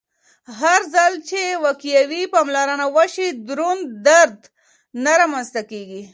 هرځل چې وقایوي پاملرنه وشي، دروند درد نه رامنځته کېږي.